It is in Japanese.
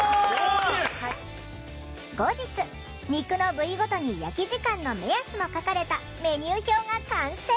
後日肉の部位ごとに焼き時間の目安も書かれたメニュー表が完成。